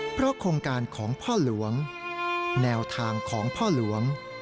เพราะโครงการของพ่อหลวงแนวทางของพ่อหลวง